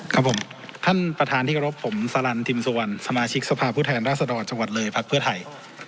ครับผมท่านประธานที่เคารพผมสลันทิมสุวรรณสมาชิกสภาพผู้แทนราชดรจังหวัดเลยพักเพื่อไทย